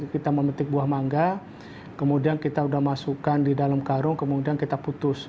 kita memetik buah mangga kemudian kita sudah masukkan di dalam karung kemudian kita putus